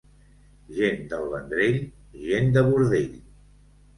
Gent del Vendrell, gent de bordell.